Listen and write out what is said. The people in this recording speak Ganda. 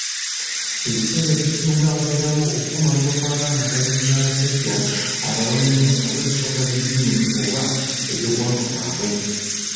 Ebiseera ebisinga wabeerawo okukomolebwa kw'abaana abalenzi n'abasajja abalondemu olw'ensonga z'eddiini oba ebyobuwangwa byabwe